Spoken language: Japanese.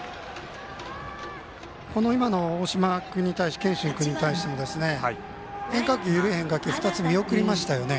今の大島健真君に対して変化球、緩い変化球２つ見送りましたよね。